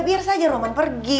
biar saja roman pergi